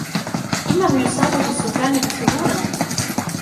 إنه يصاب بالزكام بسهولة.